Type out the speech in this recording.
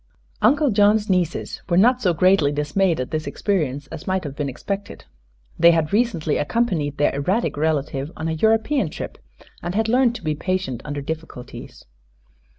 Uncle John's nieces were not so greatly dismayed at this experience as might have been expected. They had recently accompanied their erratic relative on a European trip and had learned to be patient under difficulties.